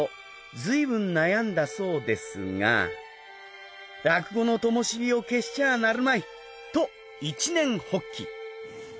ずいぶん悩んだそうですが落語のともし火を消しちゃなるまいと一念発起。